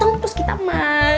kamu potong terus kita makan